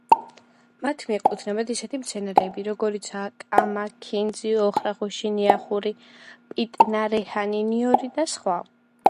მათ მიეკუთვნებათ ისეთი მცენარეები როგორებიცაა კამა, ქინძი, ოხრახუში, ნიახური, პიტნა, რეჰანი, ნიორი და სხვები.